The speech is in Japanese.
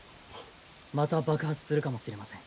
また爆発するかもしれません。